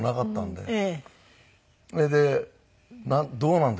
それでどうなんですか？